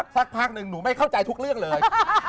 สักพักหนึ่งหนูไม่เข้าใจทุกเรื่องเลย